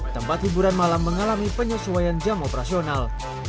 tempat hiburan malam mengalami penyesuaian jam operasional